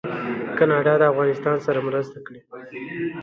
کاناډا د افغانستان سره مرسته کړې.